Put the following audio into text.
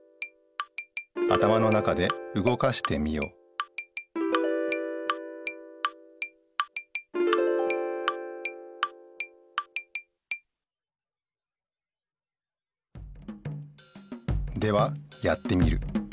頭の中でうごかしてみよではやってみる。